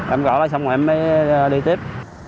em cỏ lại xong rồi em mới đi tiếp